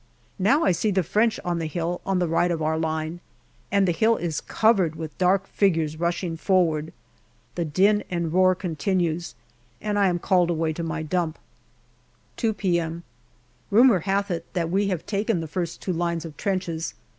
Now I see the French on the hill on the right of our line, and the hill is covered with dark figures rushing forward. The din and roar continues, and I am called away to my dump. 2 p.m. Rumour hath it that we have taken the first two lines of trenches.